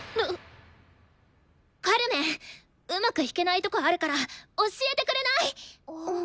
カルメンうまく弾けないとこあるから教えてくれない？